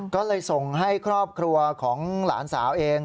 ก็เลยส่งให้ครอบครัวของหลานสาวเอง